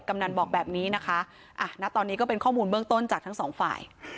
กำนันบอกแบบนี้นะคะอ่ะณตอนนี้ก็เป็นข้อมูลเบื้องต้นจากทั้งสองฝ่าย